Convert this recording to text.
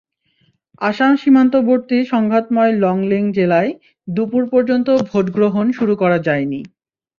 আসাম সীমান্তবর্তী সংঘাতময় লংলেং জেলায় দুপুর পর্যন্ত ভোট গ্রহণ শুরু করা যায়নি।